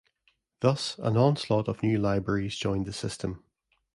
Thus, an onslaught of new libraries joined the system.